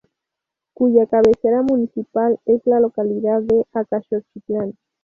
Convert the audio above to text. Cuya cabecera municipal es la localidad de Acaxochitlán.